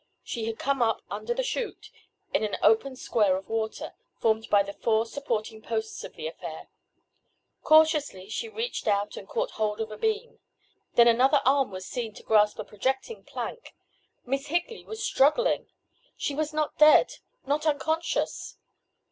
She had come up under the chute, in an open square of water, formed by the four supporting posts of the affair. Cautiously she reached out and caught hold of a beam. Then another arm was seen to grasp a projecting plank! Miss Higley was struggling! She was not dead! Not unconscious!